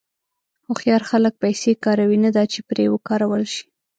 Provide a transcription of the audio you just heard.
هوښیار خلک پیسې کاروي، نه دا چې پرې وکارول شي.